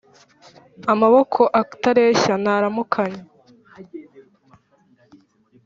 Amaboko atareshya ntaramukanya.